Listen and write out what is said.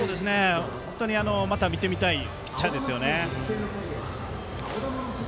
本当にまた見てみたいピッチャーですね。